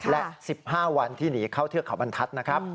และ๑๕วันที่หนีเข้าเทือกเขาบรรทัศน์นะครับ